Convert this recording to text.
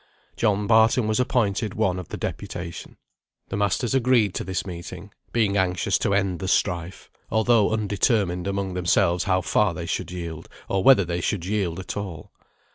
John Barton was appointed one of the deputation. The masters agreed to this meeting, being anxious to end the strife, although undetermined among themselves how far they should yield, or whether they should yield at all.